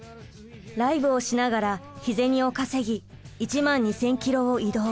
ライブをしながら日銭を稼ぎ１万２，０００キロを移動。